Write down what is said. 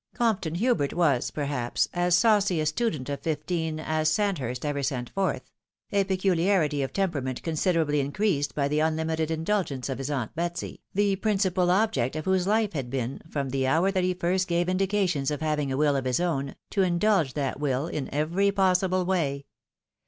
Compton Hubert was, perhaps, as saucy a student of fifteen as Sandhurst ever sent forth, a peculiarity of temperament considerably increased by the unlimited indulgence of his aunt Betsy, the principal object of whose life had been, from the hour that he first gave indications of having a will of his own, to indulge that will in every possible way.